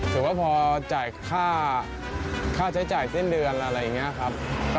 ถือว่าพอจ่ายค่าใช้จ่ายสิ้นเดือนอะไรอย่างนี้ครับ